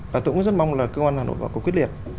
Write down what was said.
và tôi cũng rất mong là cơ quan hà nội có quyết liệt